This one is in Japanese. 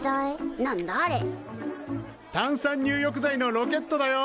炭酸入浴剤のロケットだよ。